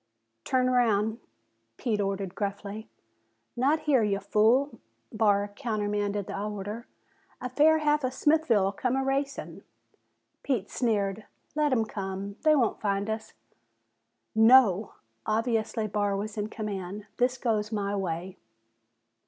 "Turn 'raound!" Pete ordered gruffly. "Not here ya fool!" Barr countermanded the order. "A fair half of Smithville'll come a'racin'." Pete sneered. "Let 'em come. They won't find us." "No!" Obviously Barr was in command. "This goes my way."